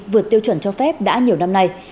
vượt tiêu chuẩn cho phép đã nhiều năm nay